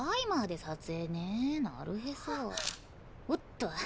おっと。